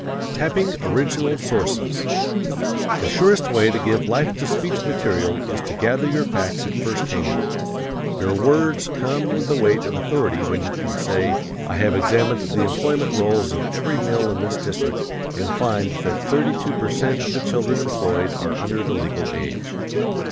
Tapping Original Sources The surest way to give life to speech material is to gather your facts at first hand. Your words come with the weight of authority when you can say, "I have examined the employment rolls of every mill in this district and find that thirty two per cent of the children employed are under the legal age."